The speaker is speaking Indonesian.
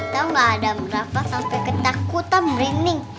tau gak adam rafa sampai ketakutan merinding